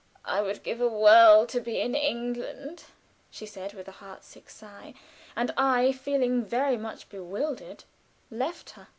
I would give a world to be in England!" she said, with a heartsick sigh; and I, feeling very much bewildered, left her.